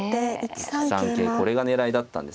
１三桂これが狙いだったんですね。